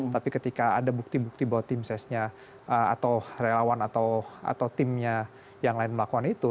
tapi ketika ada bukti bukti bahwa tim sesnya atau relawan atau timnya yang lain melakukan itu